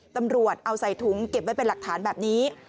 ตำรวจเอาใส่ถุงเก็บไว้เป็นหลักฐานแบบนี้